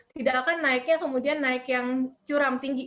tidak akan naiknya kemudian naik yang curam tinggi